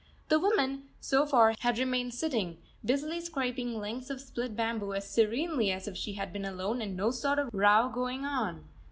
The woman, so far, had remained sitting, busily scraping lengths of split bamboo as serenely as if she had been alone and no sort of row going on.